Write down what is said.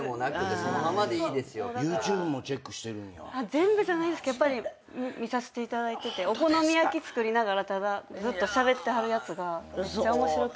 全部じゃないですけど見させていただいててお好み焼き作りながらずっとしゃべってはるやつがめっちゃ面白くて。